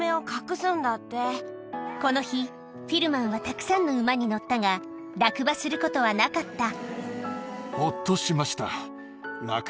この日フィルマンはたくさんの馬に乗ったが落馬することはなかった